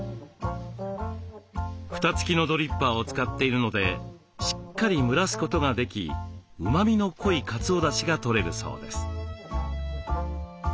蓋付きのドリッパーを使っているのでしっかり蒸らすことができうまみの濃いかつおだしがとれるそうです。